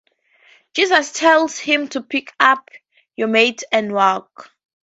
Jesus tells him to Pick up your mat and walk!